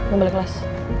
gue balik kelas